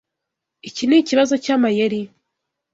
Iki nikibazo cyamayeri?